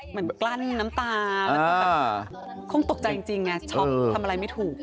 เหมือนกลั้นน้ำตาคงตกใจจริงชอบทำอะไรไม่ถูก